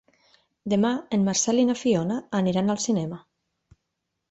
Demà en Marcel i na Fiona aniran al cinema.